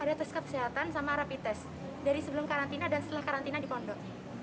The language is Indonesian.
ada tes kesehatan sama rapid test dari sebelum karantina dan setelah karantina di pondok